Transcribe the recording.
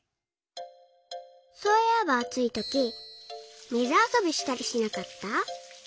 そういえばあついとき水あそびしたりしなかった？